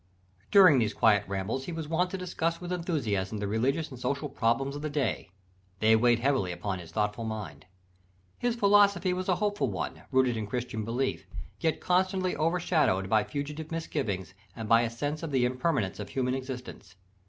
During these quiet rambles he was wont to discuss with enthusiasm the religious and social problems of the day; they weighed heavily upon his thoughtful mind. His philosophy was a hopeful one, rooted in Christian belief, yet constantly over shadowed by fugitive misgivings and by a sense of the impermanence of human existence.